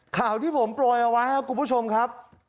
ข่าวที่ผมโปรยเอาไว้ครับคุณผู้ชมครับ